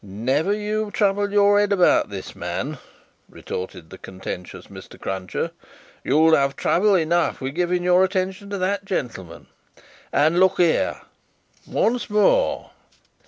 "Never you trouble your head about this man," retorted the contentious Mr. Cruncher; "you'll have trouble enough with giving your attention to that gentleman. And look here! Once more!"